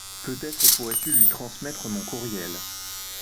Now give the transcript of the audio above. peut-être pourrais-tu lui transmettre mon courriel.